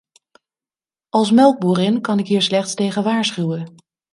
Als melkboerin kan ik hier slechts tegen waarschuwen.